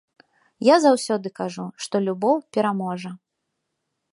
Я заўсёды кажу, што любоў пераможа.